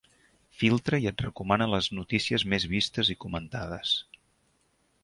Filtra i et recomana les notícies més vistes i comentades.